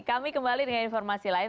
kami kembali dengan informasi lain